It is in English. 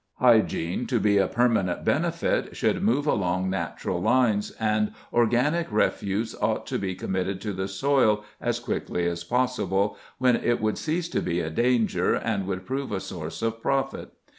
Hygiene, to be a permanent benefit, should move along natural lines, and organic refuse ought to be committed to the soil as quickly as possible, when it would cease to be a danger, and would prove a source of profit.